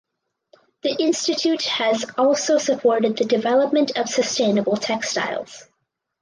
The institute has also supported the development of sustainable textiles.